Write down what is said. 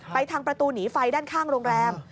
ทางประตูหนีไฟด้านข้างโรงแรม